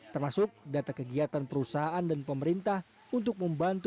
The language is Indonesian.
termasuk data kegiatan perusahaan dan pemerintah untuk membantu